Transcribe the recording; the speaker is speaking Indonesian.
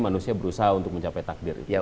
manusia berusaha untuk mencapai takdir